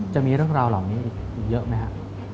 จะมีเรื่องราวเหล่าเนี่ยอีกเยอะมั้ยฮะ